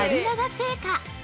製菓。